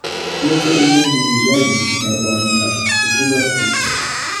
nk'uko umwe mu migani nyarwanda uvuga ko